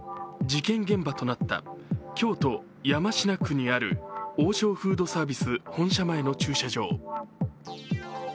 事件現場となった京都・山科区にある王将フードサービス本社前の駐車場。